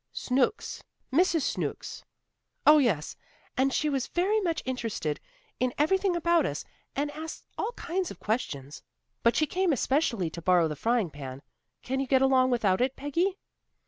"Snooks. Mrs. Snooks." "Oh, yes. And she was very much interested in everything about us, and asked all kinds of questions. But she came especially to borrow the frying pan. Can you get along without it, Peggy?"